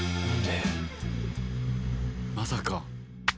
まさか。